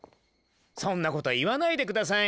そんなこと言わないで下さい。